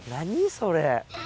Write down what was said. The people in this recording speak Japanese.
それ。